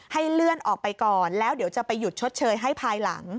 เลื่อนออกไปก่อนแล้วเดี๋ยวจะไปหยุดชดเชยให้ภายหลัง